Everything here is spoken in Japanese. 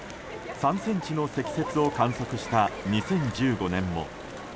３ｃｍの積雪を観測した２０１５年も。